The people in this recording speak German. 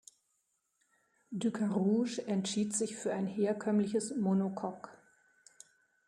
Ducarouge entschied sich für ein herkömmliches Monocoque.